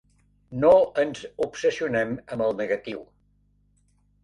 No ens obsessionem amb el negatiu.